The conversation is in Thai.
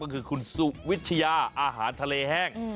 ก็คือคุณสุวิทยาอาหารทะเลแห้ง